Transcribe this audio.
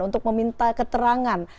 untuk meminta keterangan